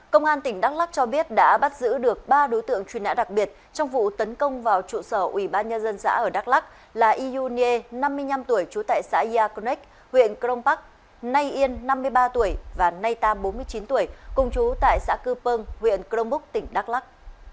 công an tỉnh đắk lắc cho biết đã bắt giữ được ba đối tượng truy nã đặc biệt trong vụ tấn công vào trụ sở ủy ban nhân dân xã ở đắk lắc là iunie năm mươi năm tuổi chú tại xã yaconek huyện cronpac nay yên năm mươi ba tuổi và nay tam bốn mươi chín tuổi cùng chú tại xã cư pơng huyện cronbúc tỉnh đắk lắc